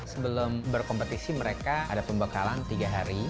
sebelum berkompetisi mereka ada pembekalan tiga hari